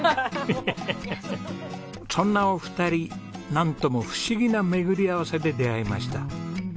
なんとも不思議な巡り合わせで出会いました。